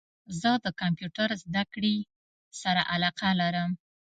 زه د کمپیوټرد زده کړي سره علاقه لرم